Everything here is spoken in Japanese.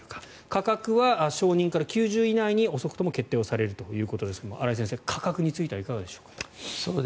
価格は承認から９０日以内に遅くとも決定されるということですが新井先生、価格についてはいかがでしょうか。